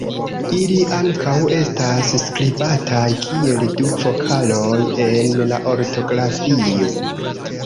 Ili ankaŭ estas skribataj kiel du vokaloj en la ortografio.